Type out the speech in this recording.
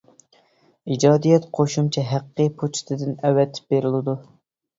ئىجادىيەت قوشۇمچە ھەققى پوچتىدىن ئەۋەتىپ بېرىلىدۇ.